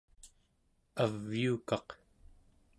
aviukaq